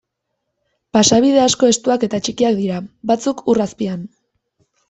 Pasabide asko estuak eta txikiak dira, batzuk ur azpian.